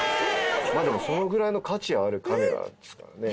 まあでもそのぐらいの価値あるカメラですからね。